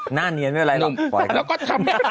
หน้าเนียนไม่เป็นไรหรอก